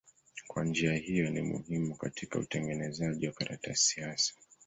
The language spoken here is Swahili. Kwa njia hiyo ni muhimu katika utengenezaji wa karatasi hasa.